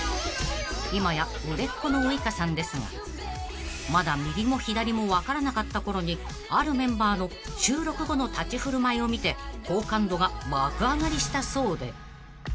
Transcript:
［今や売れっ子のウイカさんですがまだ右も左も分からなかったころにあるメンバーの収録後の立ち振る舞いを見て好感度が爆上がりしたそうで］